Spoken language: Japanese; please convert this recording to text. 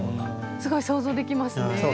すごい想像できますね。